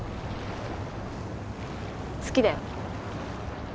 好きだよ。